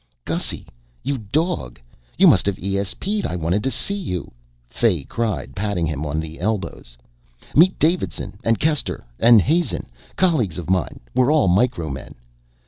"Gussy, you dog, you must have esped I wanted to see you," Fay cried, patting him on the elbows. "Meet Davidson and Kester and Hazen, colleagues of mine. We're all Micro men."